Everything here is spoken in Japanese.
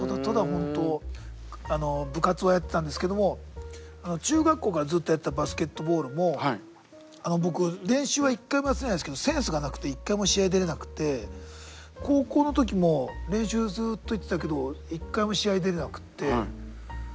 あの部活はやってたんですけども中学校からずっとやってたバスケットボールも僕練習は一回も休んでないんですけどセンスがなくて一回も試合に出れなくて高校の時も練習ずっと行ってたけど一回も試合出れなくって。